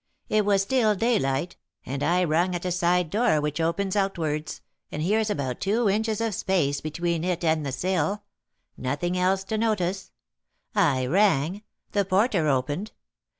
It was still daylight, and I rung at a side door which opens outwards, and here's about two inches of space between it and the sill; nothing else to notice. I rang; the porter opened.